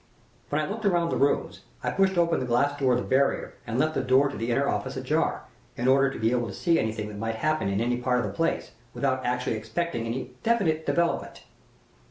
"When I looked round the rooms, I pushed open the glass door of the barrier and left the door to the inner office ajar, in order to be able to see any thing that might happen in any part of the place, without actually expecting any definite development.